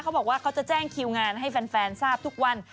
เขาบอกว่าเขาจะแจ้งคิวงานให้แฟนทราบทุกวัน